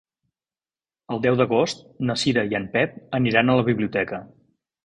El deu d'agost na Cira i en Pep aniran a la biblioteca.